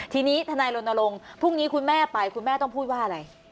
ทีนี้ทนายรณรงค์พรุ่งนี้คุณแม่ไปคุณแม่ต้องพูดว่าอะไร